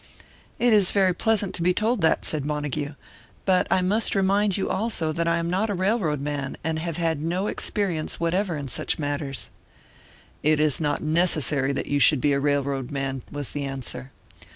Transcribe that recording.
"It is very pleasant to be told that," said Montague. "But I must remind you, also, that I am not a railroad man, and have had no experience whatever in such matters " "It is not necessary that you should be a railroad man," was the answer.